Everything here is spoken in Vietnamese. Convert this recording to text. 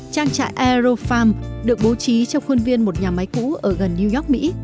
trang trại aerofarm được bố trí trong khuôn viên một nhà máy cũ ở gần new york mỹ